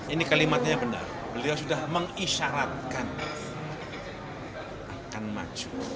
ini kalimatnya benar beliau sudah mengisyaratkan akan maju